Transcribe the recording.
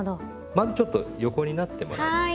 まずちょっと横になってもらって。